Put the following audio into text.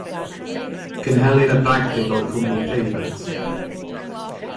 Cynhelir y bragdy fel cwmni preifat.